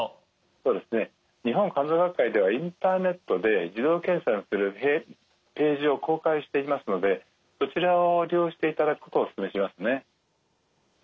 そうですね日本肝臓学会ではインターネットで自動計算するページを公開していますのでそちらを利用していただくことをお勧めしますね。